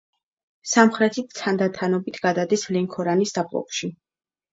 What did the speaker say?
სამხრეთით თანდათანობით გადადის ლენქორანის დაბლობში.